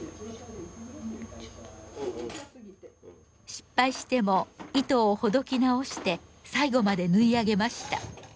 失敗しても糸をほどき直して最後まで縫い上げました。